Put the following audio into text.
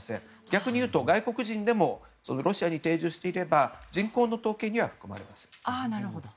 逆にいうと外国人でもロシアに定住していれば人口の統計には含まれます。